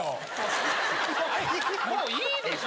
もういいでしょ！